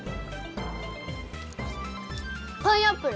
パイナップル！